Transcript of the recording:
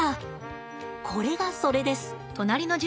これがそれです。